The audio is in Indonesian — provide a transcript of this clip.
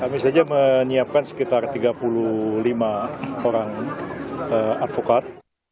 kami saja menyiapkan sekitar tiga puluh lima orang advokat